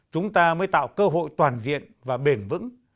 chúng ta mới tạo cơ hội toàn diện và bền vững